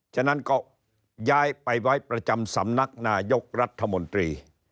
ฉะนั้นก็ย้ายไปไว้ประจำสำนักนายกรัฐมนตรี